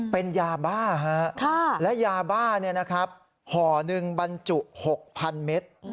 เป็นยาบ้าและยาบ้าห่อหนึ่งบรรจุ๖๐๐๐เมตร